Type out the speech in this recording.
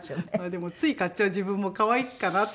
でもつい買っちゃう自分も可愛いかなって。